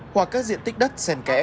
hoặc các diện tích đất xen kẽ